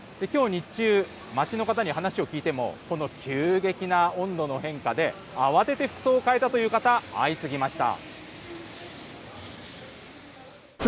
きょう日中、街の方に話を聞いても急激な温度の変化で慌てて服装を変えたという方、相次ぎました。